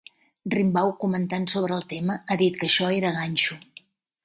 Rimbaud, comentant sobre el tema, ha dit que això era ganxo.